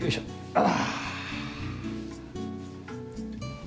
ああ。